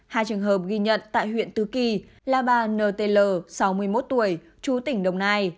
hai trường hợp ghi nhận tại huyện tứ kỳ là bà nt sáu mươi một tuổi chú tỉnh đồng nai